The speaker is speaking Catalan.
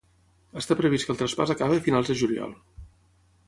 Està previst que el traspàs acabi a finals de juliol.